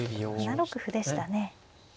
７六歩でしたね。